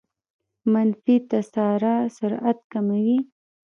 منفي تسارع سرعت کموي.